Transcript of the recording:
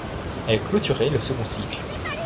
Elle clôturait le second cycle.